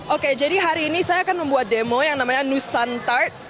oke jadi hari ini saya akan membuat demo yang namanya nusan tart